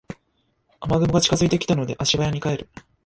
雨雲が近づいてきたので足早に帰る